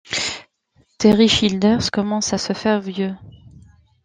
Terry Childers commence à se faire vieux.